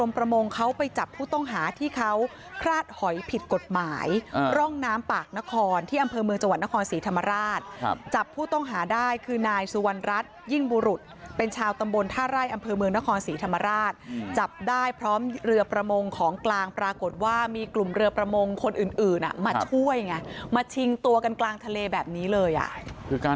ประมงเขาไปจับผู้ต้องหาที่เขาคลาดหอยผิดกฎหมายร่องน้ำปากนครที่อำเภอเมืองจังหวัดนครศรีธรรมราชจับผู้ต้องหาได้คือนายสุวรรณรัฐยิ่งบุรุษเป็นชาวตำบลท่าไร่อำเภอเมืองนครศรีธรรมราชจับได้พร้อมเรือประมงของกลางปรากฏว่ามีกลุ่มเรือประมงคนอื่นอื่นอ่ะมาช่วยไงมาชิงตัวกันกลางทะเลแบบนี้เลยอ่ะคือการ